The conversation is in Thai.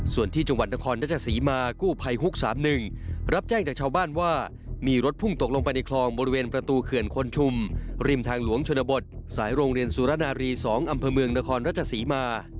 ส่วนที่จังหวัดนครราชสีมากู้ภัยฮุก๓๑รับแจ้งจากชาวบ้านว่ามีรถพุ่งตกลงไปในคลองบริเวณประตูเขื่อนคนชุมริมทางหลวงชนบทสายโรงเรียนสุรนารี๒อำเภอเมืองนครราชศรีมา